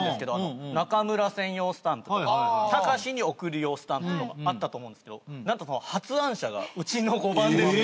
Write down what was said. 中村専用スタンプとかタカシに送る用スタンプとかあったと思うんですけどなんとその発案者がうちの５番でして。